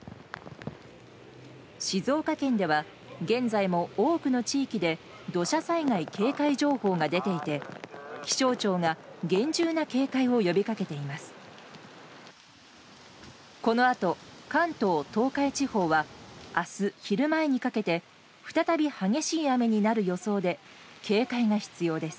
静岡県では現在も多くの地域で土砂災害警戒情報が出ていて気象庁が厳重な警戒を呼びかけています。